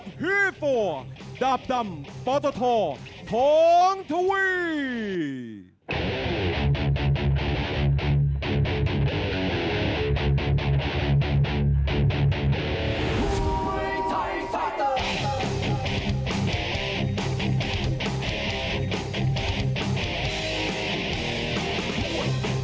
ชกมาแล้ว๔๔ไฟชนะ๓๓ไฟเสมอ๓ไฟแล้วแพ้๘ไฟครับ